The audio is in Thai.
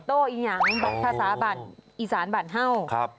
โต๊ะอิหยังภาษาอิสานบรรเฮ่าครับ